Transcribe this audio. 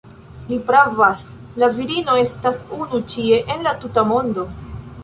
Li pravas. La virino estas unu ĉie en la tuta mondo